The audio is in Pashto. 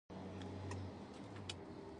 په پای کې به هغه بندي مړ کېده.